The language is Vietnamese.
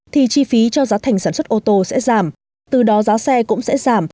thì chi phí cho giá thành sản xuất ô tô sẽ giảm từ đó giá xe cũng sẽ giảm